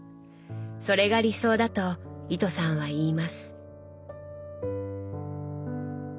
それが理想だと糸さんは言います。